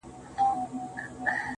دا اوبه اورونو کي راونغاړه,